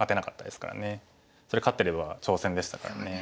それ勝ってれば挑戦でしたからね。